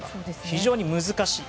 非常に難しい。